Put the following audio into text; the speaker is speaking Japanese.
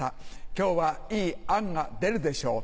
今日はいいアンが出るでしょう